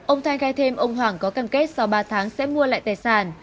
ông thai gai thêm ông hoàng có cam kết sau ba tháng sẽ mua lại tài sản